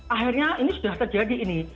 akhirnya ini sudah terjadi ini